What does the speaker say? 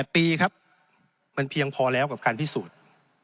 ๘ปีครับมันเพียงพอแล้วกับการพิสูจน์